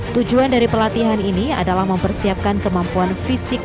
tujuan dari pelatihan ini adalah mempersiapkan kemampuan fisik